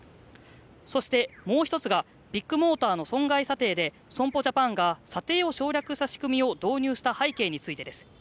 そしてもう一つがビッグモーターの損害査定で損保ジャパンが査定を省略した仕組みを導入した背景についてです